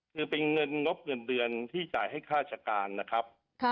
คือเป็นเงินงบเงินเดือนที่จ่ายให้ข้าราชการนะครับ